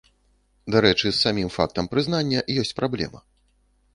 Дарэчы, з самім фактам прызнання ёсць праблема.